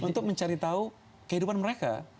untuk mencari tahu kehidupan mereka